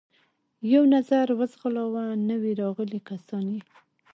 یو نظر و ځغلاوه، نوي راغلي کسان یې.